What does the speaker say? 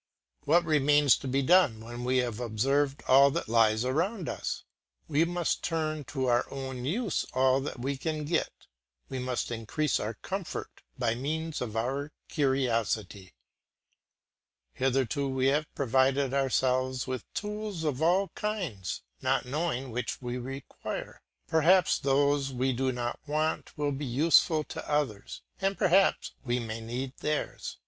What remains to be done when we have observed all that lies around us? We must turn to our own use all that we can get, we must increase our comfort by means of our curiosity. Hitherto we have provided ourselves with tools of all kinds, not knowing which we require. Perhaps those we do not want will be useful to others, and perhaps we may need theirs.